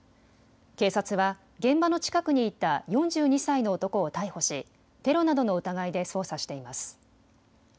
警察は現場の近くにいた４２歳の男を逮捕しテロなどの疑いで捜査しています。